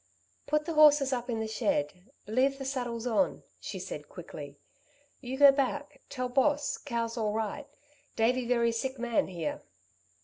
"Put the horses up in the shed leave the saddles on," she said quickly. "You go back, tell boss cows all right Davey very sick man, here."